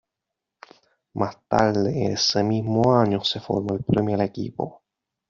Más tarde, ese mismo año, se formó el primer equipo.